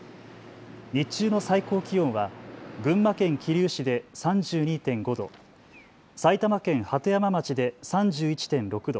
日中の最高気温は群馬県桐生市で３２．５度、埼玉県鳩山町で３１．６度、